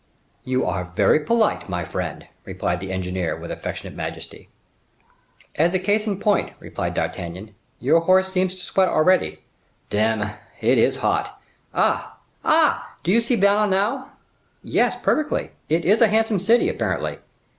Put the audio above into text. "You are very polite, my friend," replied the engineer, with affectionate majesty. "As a case in point," replied D'Artagnan, "your horse seems to sweat already." "Dame! It is hot! Ah, ah! do you see Vannes now?" "Yes, perfectly. It is a handsome city, apparently."